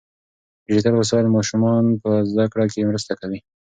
ډیجیټل وسایل ماشومان په زده کړه کې مرسته کوي.